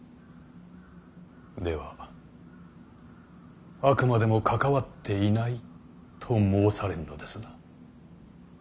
ではあくまでも関わっていないと申されるのですな。